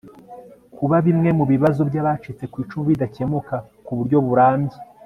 Kuba bimwe mu bibazo by abacitse ku icumu bidakemuka ku buryo burambye